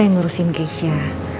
yang ngurusin kes ya